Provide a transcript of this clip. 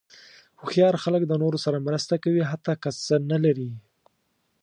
هوښیار خلک د نورو سره مرسته کوي، حتی که څه نه لري.